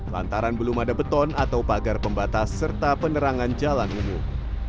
lantaran belum ada beton atau pagar pembatas serta penerangan jalan umum